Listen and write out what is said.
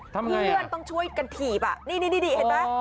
เครื่องต้องช่วยกันถีบนี่เห็นมั้ย